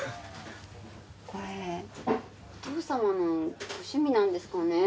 これお父様のご趣味なんですかね？